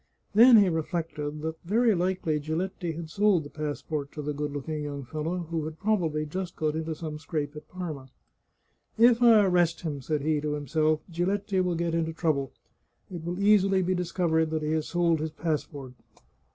Then he reflected that very likely Giletti had sold the pass port to the good looking young fellow, who had probably just got into some scrape at Parma. " If I arrest him," said he to himself, " Giletti will get into trouJ»le. It will easily be discovered that he has sold his passport.